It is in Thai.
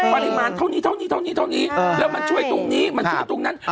ปริมาณเท่านี้เท่านี้เท่านี้เท่านี้แล้วมันช่วยตรงนี้มันช่วยตรงนั้น